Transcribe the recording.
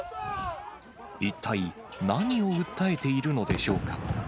一体何を訴えているのでしょうか。